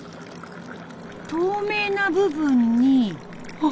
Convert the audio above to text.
透明な部分にあ！